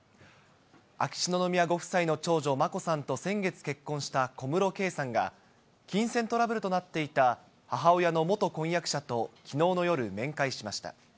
秋篠宮ご夫妻の長女、眞子さんと先月結婚した小室圭さんが、金銭トラブルとなっていた母親の元婚約者ときのうの夜、面会しました。